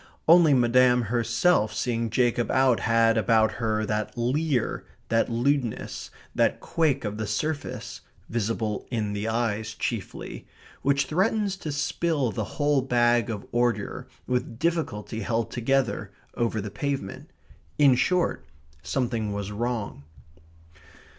Only Madame herself seeing Jacob out had about her that leer, that lewdness, that quake of the surface (visible in the eyes chiefly), which threatens to spill the whole bag of ordure, with difficulty held together, over the pavement. In short, something was wrong.